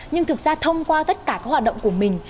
nhưng thực ra thông qua tất cả các hoạt động của mình